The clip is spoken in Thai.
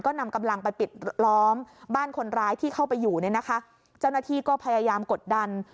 ก็นำกำลังไปปิดล้อมบ้านคนร้ายที่เข้าไปอยู่เนี่ยนะคะเจ้าหน้าที่ก็พยายามกดดัน